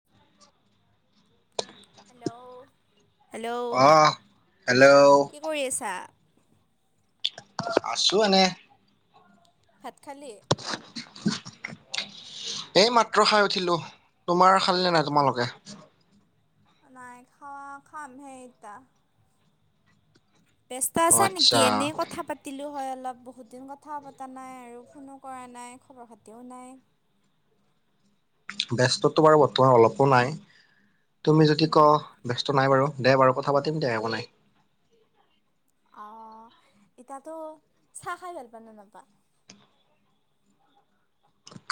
থং [unintelligible] hello? অঁ hello? কি কৰি আছা? আছো এনেই। ভাত খালি? লোপাতী উপৰ পাতি [unintelligible] এই মাত্ৰ খাই উঠিলো, তোমাৰ খাল নে নাই তোমালোকে? নাই খওৱা খামহে এতিয়া। ব্যস্ত অ আছা নেকি? আচ্ছা এনেই কথা পাতি লো হয় অলপ, বহুত দিন কথা পতা নাই আৰু ফোনো কৰা নাই খবৰ খাতিও নাই। ব্যস্তটো বাৰু বৰ্তমান অলপো নাই, তুমি যদি ক উম, ব্যস্ত নাই বাৰু। দে বাৰু কথা পাতিম দে একো নাই। অঁ ইতাতো চাহ খাই ভাল পা ন নাপা?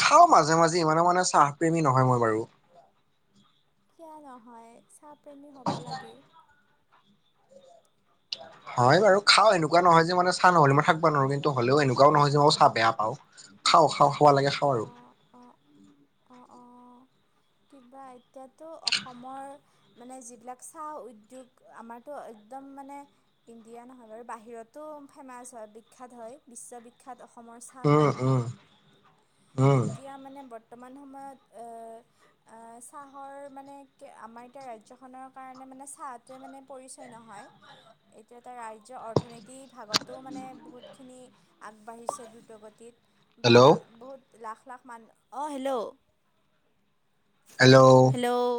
খাওঁ মাজে মাজে, ইমানও মানে চাহ প্ৰেমী নহয় মই বাৰু। কিয়া নহয়? চাহ প্ৰেমী হ'বা লাগে। হয় বাৰু, খাও এনেকুৱা নহয় যে মানে চাহ নহলে মই থাকিব নোৱাৰো, কিন্তু হলেওঁ এনেকুৱও নহয় যে মই চাহ বেয়া পাওঁ। খাওঁ খাওঁ খাব লাগে খাওঁ আৰু। অঁ, অঁ। কিবা এতিয়াতো অসমৰ মানে যিবিলাক চাহ উদ্যোগ আমাৰতো একদম মানে ইণ্ডিয়া নহয় বাৰু বাহিৰতো ফেমাচ হয়, বিখ্যাত হয় বিশ্ববিখ্যাত অসমৰ উম চাহটো। উম উম। এতিয়া মানে বৰ্তমান সময়ত এ এ চাহৰ মানে আমাৰ এতিয়া ৰাজ্যখনৰ কাৰণে মানে চাহটোৱে মানে পৰিচয় নহয়, এইটো এটা ৰাজ্যৰ অৰ্থনীতি ই ভাগতো মানে বহুতখিনি আগবাঢ়িছে দ্ৰুতগতিত, বা হেল্ল' বহুত লাখ লাখ মানহ, অঁ হেল্ল'? হেল্ল'? হেল্ল'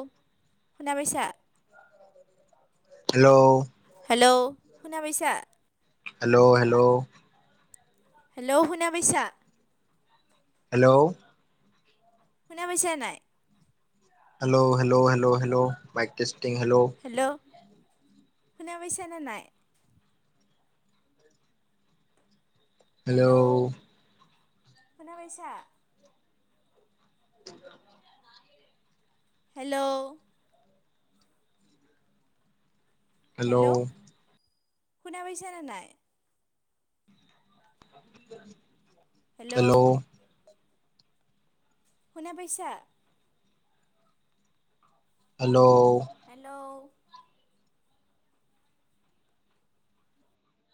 শুনা পাইছা? হেল্ল' হেল্ল' শুনা পাইছা। হেল্ল' হেল্ল' হেল্ল' শুনা পাইছা। হেল্ল' শুনা পাইছা নাই। Hello hello hello hello mike testing hello. Hello শুনা পাইছা নে নাই। হেল্ল' শুনা পাইছা। [unintelligible] হেল্ল' হেল্ল' শুনা পাইছা নে নাই। এতিয়া পাইছো। হেল্ল' শুনা পাইছা। Hello hello